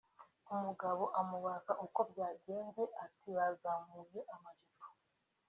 umugabo amubaza uko byagenze ati "Bazamuye amajipo